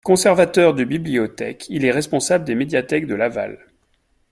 Conservateur de bibliothèque, il est responsable des médiathèques de Laval.